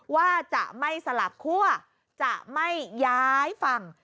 ว่าจะไม่สลับคั่วจะไม่ย้ายฝั่ง